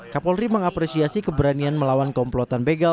kapolri mengapresiasi keberanian melawan komplot